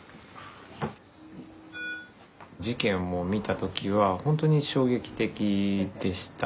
事件も見た時は本当に衝撃的でした。